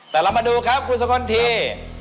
แต่เรามาดูครับคุณสกลที